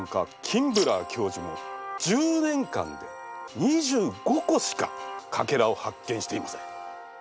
キンブラー教授も１０年間で２５個しかかけらを発見していません。